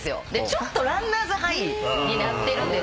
ちょっとランナーズハイになってるんですよ。